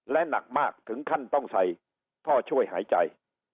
และหนักมากถึงขั้นต้องใส่ท่อช่วยหายใจ